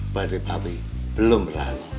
badai papi belum berlalu